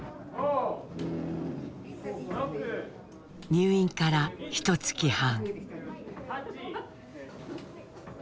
入院からひとつき半。